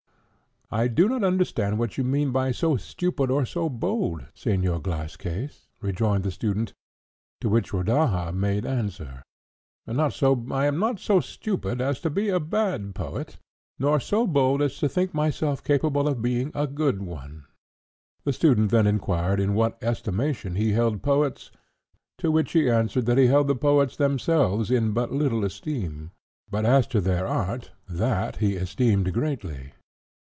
"I do not understand what you mean by so stupid or so bold, Señor Glasscase," rejoined the student; to which Rodaja made answer, "I am not so stupid as to be a bad poet, nor so bold as to think myself capable of being a good one." The student then inquired in what estimation he held poets, to which he answered that he held the poets themselves in but little esteem; but as to their art, that he esteemed greatly.